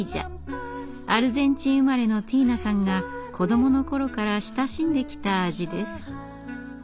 アルゼンチン生まれのティーナさんが子どもの頃から親しんできた味です。